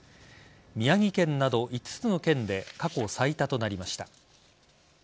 宮城県など５つの県で過去最多となりました。